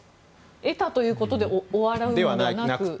得たということで終わるのではなく？